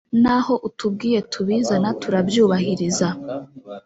naho utubwiye tubizana turabyubahiriza